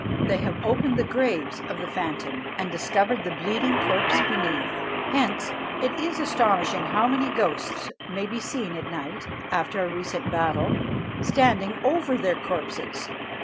They have opened the graves of the phantom, and discovered the bleeding corpse beneath; hence it is astonishing how many ghosts may be seen at night, after a recent battle, standing over their corpses!